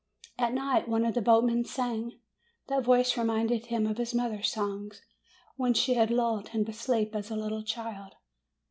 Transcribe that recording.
At night one of the boatmen sang. That voice re minded him of his mother's songs, when she had lulled him to sleep as a little child.